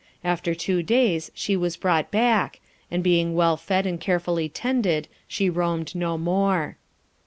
After two days she was brought back, and being well fed and carefully tended, she roamed no more.